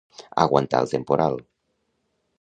Aguantar el temporal.